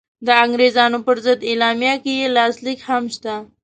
د انګرېزانو پر ضد اعلامیه کې یې لاسلیک هم شته.